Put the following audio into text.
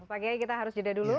pak kiai kita harus jeda dulu